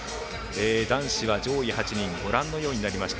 男子は上位８人ご覧のようになりました。